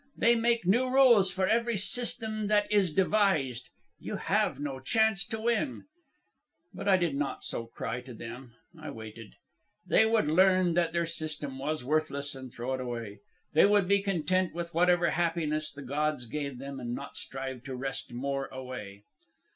They make new rules for every system that is devised. You have no chance to win.' "But I did not so cry to them. I waited. They would learn that their system was worthless and throw it away. They would be content with whatever happiness the gods gave them and not strive to wrest more away.